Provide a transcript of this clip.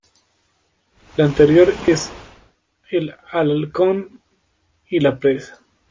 La anterior es "El halcón y la presa".